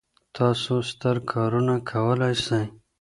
تاسو ستر کارونه کولای سئ.